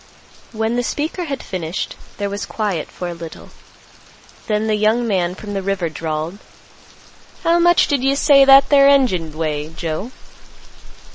When the speaker had finished, there was quiet for a little; then the young man from the river drawled, "How much did you say that there engine 'd weigh, Joe?"